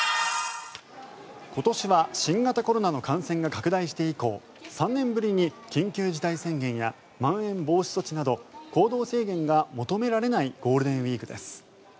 今年は新型コロナの感染が拡大して以降３年ぶりに、緊急事態宣言やまん延防止措置など行動制限が求められないゴールデンウィークです。